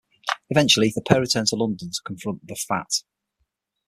Eventually, the pair return to London to confront "The Fat".